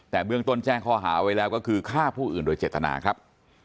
แต่เบื้องต้นแจ้งข้อหาไว้แล้วก็คือฆ่าผู้อื่นโดยเจตนาครับ